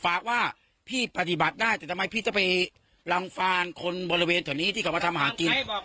ฝากว่าพี่ปฏิบัติได้แต่ทำไมพี่จะไปรังฟานคนบริเวณแถวนี้ที่เขามาทำหากิน